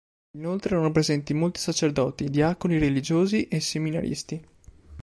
Inoltre, erano presenti molti sacerdoti, diaconi, religiosi e seminaristi.